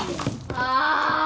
ああ！